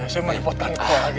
semua menempatkan kau lagi